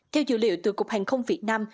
theo dữ liệu từ cục hàng không việt nam